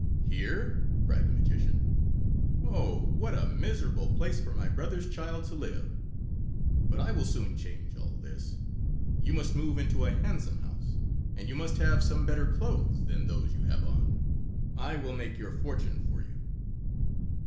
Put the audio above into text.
"Here!" cried the magician. "Oh, what a miserable place for my brother's child to live. But I will soon change all this. You must move into a handsome house, and you must have some better clothes than those you have on. I will make your fortune for you."